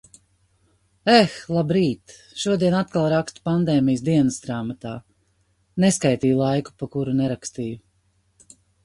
Eh, labrīt, šodien atkal rakstu pandēmijas dienasgrāmatā. Neskaitīju laiku, pa kuru nerakstīju.